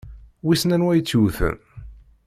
Wissen anwa i tt-yewwten?